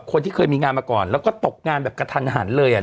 คนที่เคยมีงานมาก่อนแล้วก็ตกงานแบบกระทันหันเลย